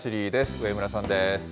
上村さんです。